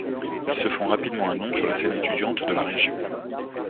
Ils se font rapidement un nom sur la scène étudiante de la région.